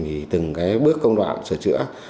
thì từng cái bước công đoạn sửa chữa